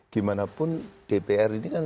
gimana pun dpr ini kan